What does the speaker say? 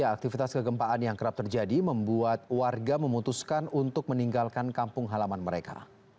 aktivitas kegempaan yang kerap terjadi membuat warga memutuskan untuk meninggalkan kampung halaman mereka